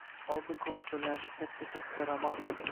Oldi-qochdilarni katta-katta roman.